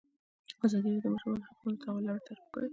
ازادي راډیو د د ماشومانو حقونه د تحول لړۍ تعقیب کړې.